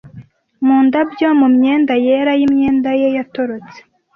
mu ndabyo mumyenda yera yimyenda ye yatorotse